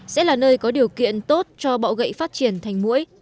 sẽ là nơi có điều kiện tốt cho bọ gậy phát triển thành mũi